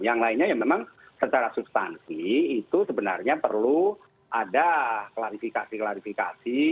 yang lainnya yang memang secara substansi itu sebenarnya perlu ada klarifikasi klarifikasi